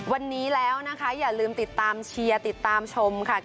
วันนี้แล้วนะคะอย่าลืมติดตามเชียร์ติดตามชมค่ะ